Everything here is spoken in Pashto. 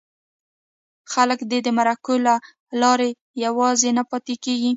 خلک دې د مرکو له لارې یوازې نه پاتې کېږي.